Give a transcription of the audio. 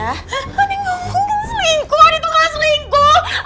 adi ngomongnya selingkuh adi tuh gak selingkuh